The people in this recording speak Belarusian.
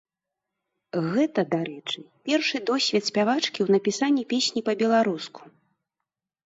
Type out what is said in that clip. Гэта, дарэчы, першы досвед спявачкі ў напісанні песні па-беларуску.